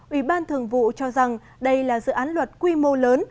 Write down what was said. ủy ban thường vụ cho rằng đây là dự án luật quy mô lớn